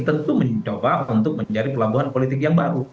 tentu mencoba untuk mencari pelabuhan politik yang baru